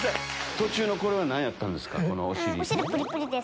途中のこれは何やったんですか？